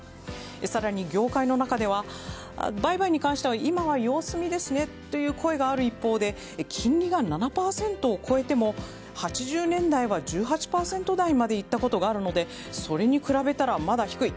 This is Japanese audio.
更に、業界の中では売買に関しては今は様子見ですねという声がある一方で金利が７％を超えても８０年代は１８％台まで行ったことがあるのでそれに比べたら、まだ低い。